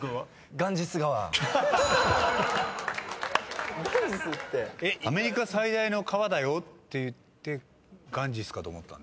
「ガンジス川」アメリカ最大の川だよって言って「ガンジス」かと思ったの？